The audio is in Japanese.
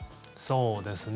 そうですね。